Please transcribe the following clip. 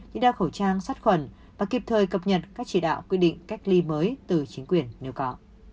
như đeo khẩu trang sát khuẩn và kịp thời cập nhật các chỉ đạo quy định cách ly mới từ chính quyền nếu có